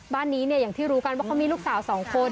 บ้านนี้เนี่ยอย่างที่รู้กันว่าเขามีลูกสาว๒คน